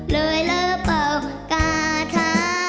เลยแล้วก็กระทะ